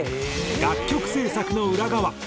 楽曲制作の裏側。